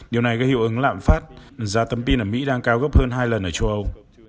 điều này gây hiệu ứng lạm phát giá tấm pin ở mỹ đang cao gấp hơn hai lần ở châu âu